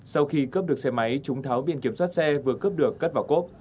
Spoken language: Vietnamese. sau khi cướp được xe máy chúng tháo biển kiểm soát xe vừa cướp được cất vào cốp